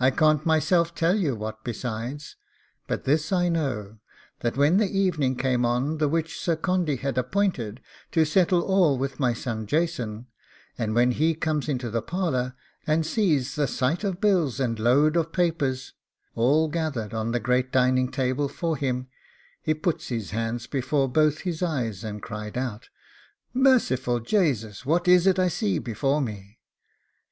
I can't myself tell you what besides; but this I know, that when the evening came on the which Sir Condy had appointed to settle all with my son Jason, and when he comes into the parlour, and sees the sight of bills and load of papers all gathered on the great dining table for him, he puts his hands before both his eyes, and cried out, 'Merciful Jasus! what is it I see before me?